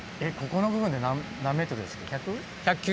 ここの部分で何ｍでしたっけ？